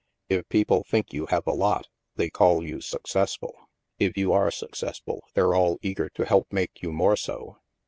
If people think you have a lot, they call you success ful. If you are successful, they're all eager to help make you more so.